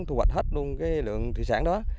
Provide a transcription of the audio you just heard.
thu hoạch hết luôn lượng thị sản đó